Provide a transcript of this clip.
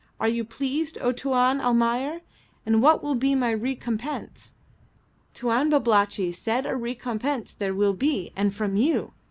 Are you pleased, O Tuan Almayer? And what will be my recompense? Tuan Babalatchi said a recompense there will be, and from you.